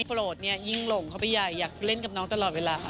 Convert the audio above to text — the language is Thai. โปรดเนี่ยยิ่งหลงเข้าไปใหญ่อยากเล่นกับน้องตลอดเวลาค่ะ